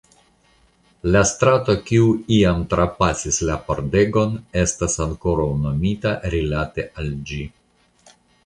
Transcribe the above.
La strato kiu iam trapasis la pordegon estas ankoraŭ nomita rilate al ĝi.